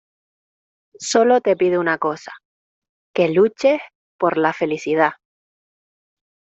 solo te pido una cosa, que luches por la felicidad